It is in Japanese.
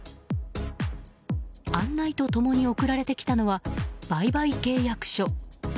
案内と共に送られてきたのは売買契約書。